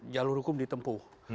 jalur hukum ditempuh